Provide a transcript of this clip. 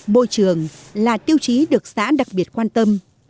môi trường là tiêu chí được xã đặc biệt quan tâm